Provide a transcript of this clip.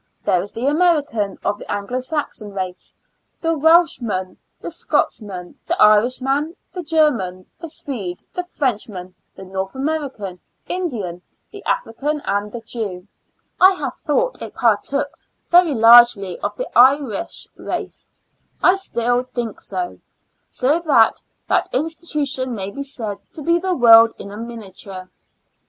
There is the American of the Anglo Saxon race, the Welchman, the Scotch man, the Irishman, the German, the Swede, the Frenchman, the North American In dian, the African and the Jew. I have thought it partook very largely of the Irish race — I think so still j so that that institu inaL una tic a STL mi. W^ tion may be said to be the world in minia ture.